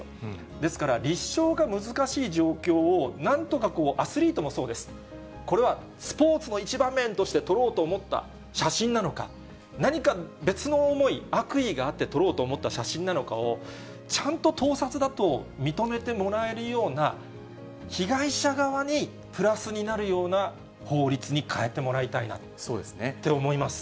ですから、立証が難しい状況をなんとかこう、アスリートもそうです。これはスポーツの一場面として撮ろうと思った写真なのか、何か別の思い、悪意があって撮ろうと思った写真なのかをちゃんと盗撮だと認めてもらえるような、被害者側にプラスになるような法律に変えてもらいたいなって思い